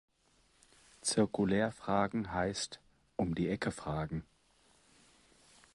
Zirkulär fragen heißt „um die Ecke fragen“.